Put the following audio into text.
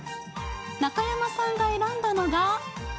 中山さんが選んだのが。